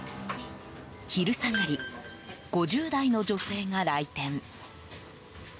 昼下がり、５０代の女性が来店。